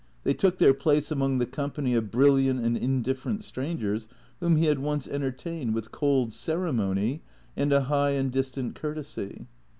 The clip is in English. They took their place among the company of bril liant and indifferent strangers whom he had once entertained with cold ceremony and a high and distant courtesy.